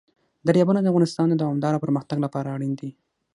دریابونه د افغانستان د دوامداره پرمختګ لپاره اړین دي.